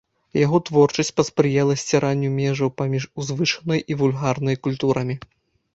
Яго творчасць паспрыяла сціранню межаў паміж узвышанай і вульгарнай культурамі.